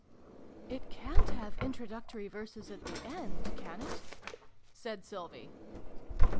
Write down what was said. "It ca'n't have Introductory Verses at the end, can it ?" said Sylvie.